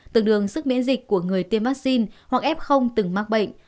tương đương sức miễn dịch của người tiêm vaccine hoặc f từng mắc bệnh